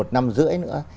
một năm rưỡi nữa